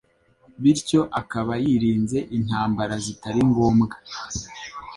bityo akaba yirinze intambara zitari ngombwa.